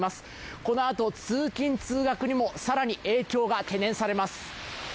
このあと通勤・通学にも更に影響が懸念されます。